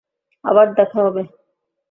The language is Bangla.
আবার দেখা হবে।